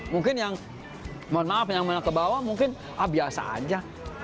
mungkin yang mohon maaf yang meneng ke bawah mungkin ah biasa aja